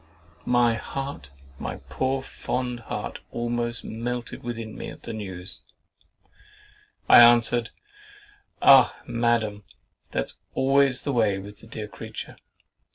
My heart, my poor fond heart, almost melted within me at this news. I answered, "Ah! Madam, that's always the way with the dear creature.